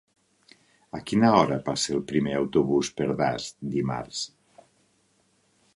A quina hora passa el primer autobús per Das dimarts?